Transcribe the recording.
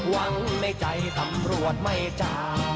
ว่างมั้ยใจนะทำรวมไม่จับ